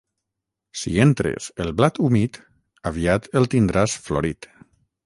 Si entres el blat humit, aviat el tindràs florit.